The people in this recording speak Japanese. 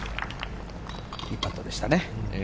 いいパットでしたね。